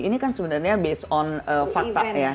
ini kan sebenarnya based on fakta ya